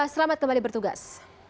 selamat kembali bertugas